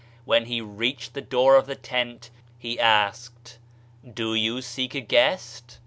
When he reached the door of the tent, he asked, *'Do you seek a guest?"